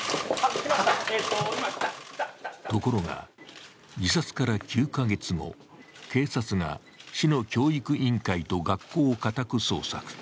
ところが、自殺から９カ月後、警察が市の教育委員会と学校を家宅捜査。